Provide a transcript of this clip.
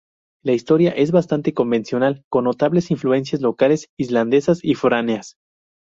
La historia es bastante convencional con notables influencias locales islandesas y foráneas.